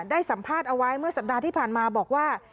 ได้สัมภาษณ์เอาไว้เมื่อสัปดาห์ที่ผ่านมาบอกว่า